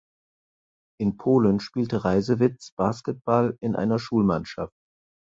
In Polen spielte Reisewitz Basketball in einer Schulmannschaft.